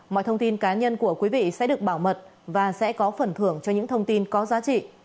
mọi thông tin cá nhân của quý vị sẽ được bảo mật và sẽ có phần thưởng cho những thông tin có giá trị